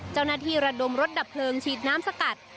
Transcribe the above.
เจ้าหน้าที่ระดมรถดับเผลิงชีดน้ำสกัด